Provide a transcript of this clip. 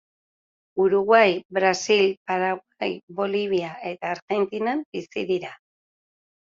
Uruguai, Brasil, Paraguai, Bolivia eta Argentinan bizi dira.